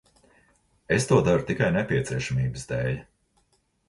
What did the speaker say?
Es to daru tikai nepieciešamības dēļ.